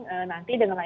kalau kita mau melakukan